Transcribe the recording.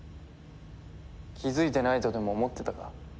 気づいてないとでも思ってたか？